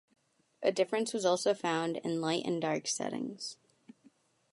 A difference was also found in light and dark settings.